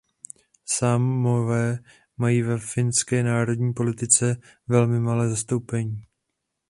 Sámové mají ve finské národní politice velmi malé zastoupení.